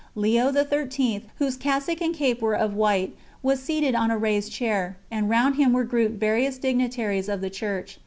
Leo XIII, whose cassock and cape were of white, was seated on a raised chair, and round him were grouped various dignitaries of the church.